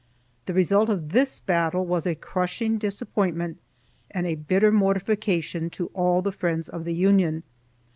The result of this battle was a crushing disappointment and a bitter mortification to all the friends of the Union.